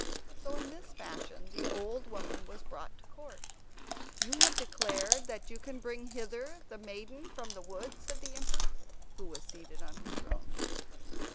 So in this fashion the old woman was brought to court. "You have declared that you can bring hither the maiden from the wood?" said the emperor, who was seated on his throne.